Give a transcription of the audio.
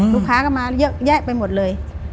ลูกค้าก็มาเยอะแยะไปหมดเลย